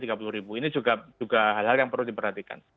ini juga hal hal yang perlu diperhatikan